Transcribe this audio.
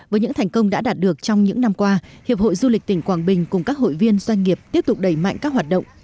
với những thành công đã đạt được trong những năm qua hiệp hội du lịch tỉnh quảng bình cùng các hội viên doanh nghiệp tiếp tục đẩy mạnh các hoạt động